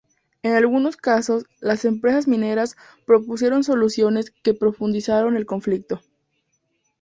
En algunos casos, las empresas mineras propusieron soluciones que profundizaron el conflicto.